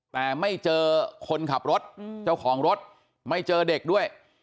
แต่ไม่เจอคนขับรถเจ้าของรถไม่เจอเด็กด้วย